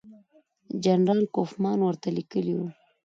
جنرال کوفمان ورته لیکلي وو.